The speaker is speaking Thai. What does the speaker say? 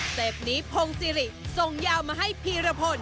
เป็ปนี้พงศิริส่งยาวมาให้พีรพล